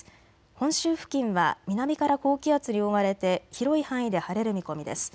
本州付近は南から高気圧に覆われて広い範囲で晴れる見込みです。